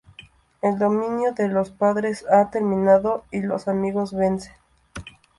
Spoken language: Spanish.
El dominio de "Los Padres" ha terminado y "Los Amigos" vencen.